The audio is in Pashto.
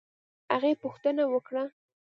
هغې پوښتنه وکړه